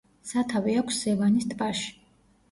სათავე აქვს სევანის ტბაში.